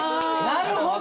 なるほど。